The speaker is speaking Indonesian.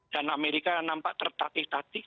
dan amerika nampak tertatik tatik